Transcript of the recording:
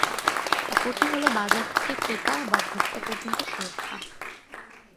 অপরটি হল বাজার থেকে ক্রেতা বা ভোক্তা পর্যন্ত সুরক্ষা।